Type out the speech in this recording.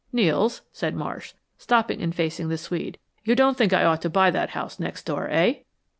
"Nels," said Marsh, stopping and facing the Swede, "you don't think I ought to buy that house next door, eh?"